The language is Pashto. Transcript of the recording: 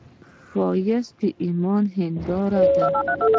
ښایست د ایمان هنداره ده